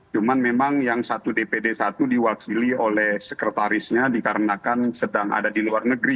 cuman memang yang satu dpd satu diwakili oleh sekretarisnya dikarenakan sedang ada di luar negeri